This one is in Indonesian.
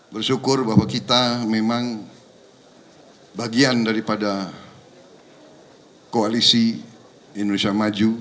bersyukur bahwa kita memang bagian daripada koalisi indonesia maju